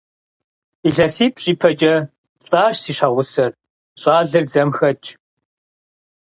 ИлъэсипщӀ ипэкӀэ лӀащ си щхьэгъусэр, щӀалэр дзэм хэтщ.